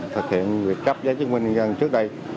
thực hiện việc cấp giấy chứng minh nhân dân trước đây